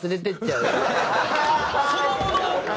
そのものを？